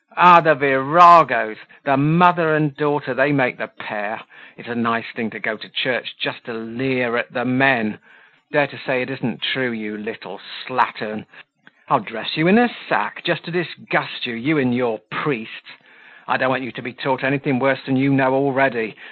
"Ah! the viragos! The mother and daughter, they make the pair. It's a nice thing to go to church just to leer at the men. Dare to say it isn't true, little slattern! I'll dress you in a sack, just to disgust you, you and your priests. I don't want you to be taught anything worse than you know already.